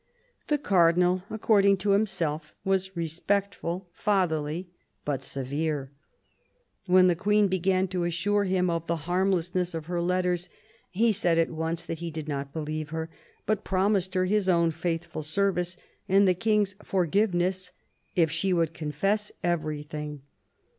The Cardinal, according to himself, was respectful, fatherly, but severe. When the Queen began to assure him of the harmlessness of her letters, he said at once that he did not believe her, but promised her his own faithful service and the King's forgiveness if she would confess everything.